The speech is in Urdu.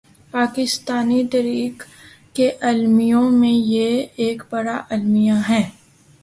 پاکستانی تاریخ کے المیوں میں یہ ایک بڑا المیہ ہے۔